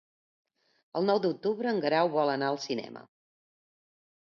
El nou d'octubre en Guerau vol anar al cinema.